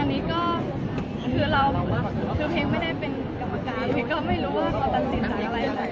อันนี้ก็คือเพลงไม่ได้ของกรรมการไม่รู้ว่าก็ตัดสินค้าอะไร